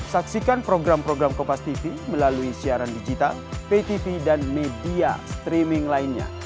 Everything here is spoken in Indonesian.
saksikan program program kompastv melalui siaran digital ptv dan media streaming lainnya